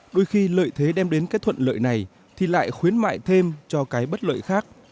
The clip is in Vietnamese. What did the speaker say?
đôi khi lợi thế đem đến cái thuận lợi này thì lại khuyến mại thêm cho cái bất lợi khác